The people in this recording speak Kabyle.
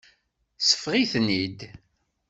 Seffeɣ-iten-id.